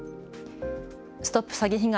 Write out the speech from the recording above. ＳＴＯＰ詐欺被害！